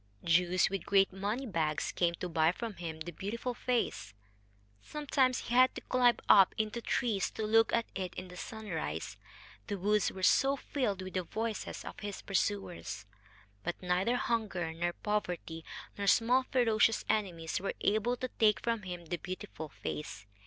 Jews with great money bags came to buy from him the beautiful face. Sometimes he had to climb up into trees to look at it in the sunrise, the woods were so filled with the voices of his pursuers. But neither hunger, nor poverty, nor small ferocious enemies were able to take from him the beautiful face.